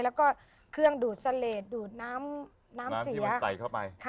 แล้วก็เครื่องดูดเสล็ดดูดน้ำเสีย